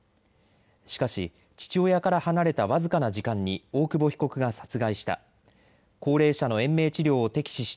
しかし父親から離れた僅かな時間に大久保被告が殺害した。